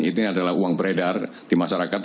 ini adalah uang beredar di masyarakat